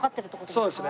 そうですね。